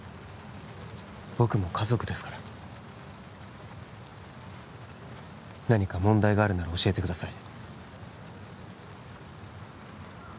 僕も家族ですから何か問題があるなら教えてください